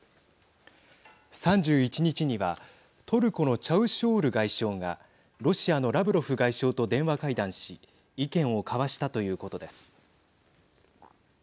３１日にはトルコのチャウシュオール外相がロシアのラブロフ外相と電話会談し意見を交わしたということです。